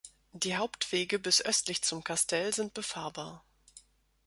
Die Hauptwege bis östlich zum "Castell" sind befahrbar.